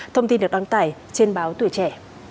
thông tin được đoán tải trên báo tuổi trẻ